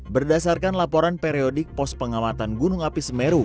berdasarkan laporan periodik pos pengawatan gunung api semeru